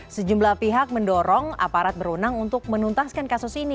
sejumlah pihak mendorong aparat berunang untuk menuntaskan kasus ini